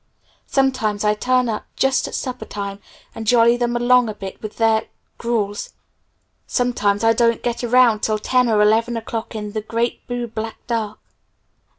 Sometimes I turn up just at supper time and jolly them along a bit with their gruels. Sometimes I don't get around till ten or eleven o'clock in the great boo black dark.